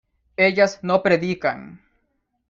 ellas no predican